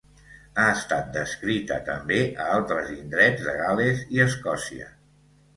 Ha estat descrita també a altres indrets de Gal·les i Escòcia.